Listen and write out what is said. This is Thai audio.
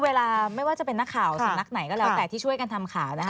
เวลาไม่ว่าจะเป็นนักข่าวสำนักไหนก็แล้วแต่ที่ช่วยกันทำข่าวนะคะ